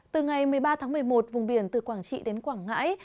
từ ngày một mươi ba tháng một mươi một vùng biển từ quảng trị đến quảng ngãi